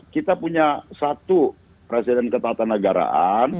kita punya satu presiden ketatanegaraan